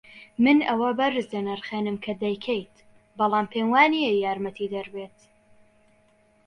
من ئەوە بەرز دەنرخێنم کە دەیکەیت، بەڵام پێم وانییە یارمەتیدەر بێت.